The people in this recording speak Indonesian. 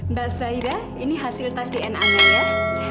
mbak zahira ini hasil tes dna nya ya